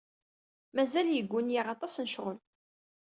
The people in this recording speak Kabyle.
Mazal yegguni-aɣ aṭas n ccɣel.